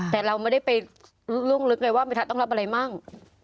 แต่เราไม่ได้ไปลุกเลยว่าเมทัศน์ต้องรับอะไรบ้าง